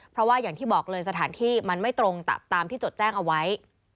เพราะว่าอย่างที่บอกเลยสถานที่มันไม่ตรงตามที่จดแจ้งเอาไว้